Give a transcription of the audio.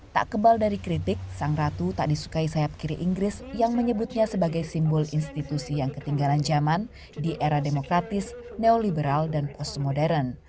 tak kebal dari kritik sang ratu tak disukai sayap kiri inggris yang menyebutnya sebagai simbol institusi yang ketinggalan zaman di era demokratis neoliberal dan pos modern